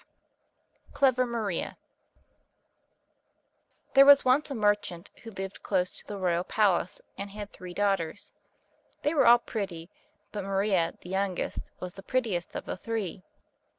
] Clever Maria There was once a merchant who lived close to the royal palace, and had three daughters. They were all pretty, but Maria, the youngest, was the prettiest of the three.